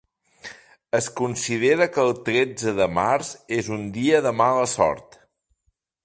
Es considera que el tretze de març és un dia de mala sort.